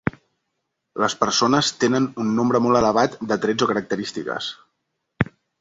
Les persones tenen un nombre molt elevat de trets o característiques.